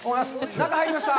中、入りました。